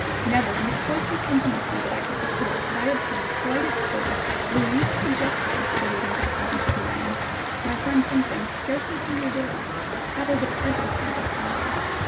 Never in the closest intimacy that I could secure could I obtain the slightest clue, the least suggestion relating to the presence of man. My friend's infant, scarcely two years old, prattled of everything but a father.